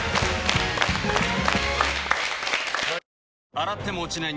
洗っても落ちない